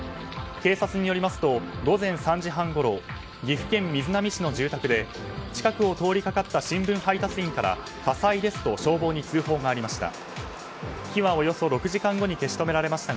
警察によりますと午前３時半ごろ岐阜県瑞浪市の住宅で近くを通りかかった新聞配達員から火災ですと消防に通報がありました。